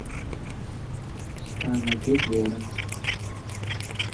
Саанагеит уи аранӡагьы.